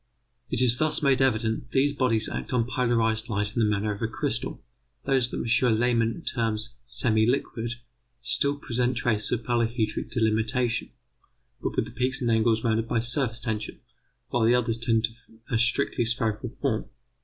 It is thus made evident that these bodies act on polarized light in the manner of a crystal. Those that M. Lehmann terms semi liquid still present traces of polyhedric delimitation, but with the peaks and angles rounded by surface tension, while the others tend to a strictly spherical form.